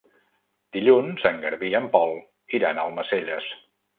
Dilluns en Garbí i en Pol iran a Almacelles.